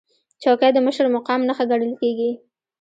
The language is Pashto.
چوکۍ د مشر مقام نښه ګڼل کېږي.